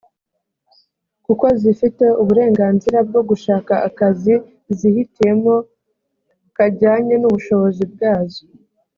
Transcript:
kuko zifite uburenganzira bwo gushaka akazi zihitiyemo kajyanye n ubushobozi bwazo